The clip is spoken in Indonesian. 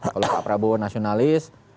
kalau pak prabowo nasionalis